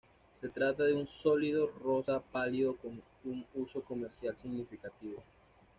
Se trata de un sólido rosa pálido con un uso comercial significativo.